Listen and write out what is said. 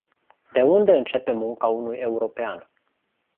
De unde începe munca unui european?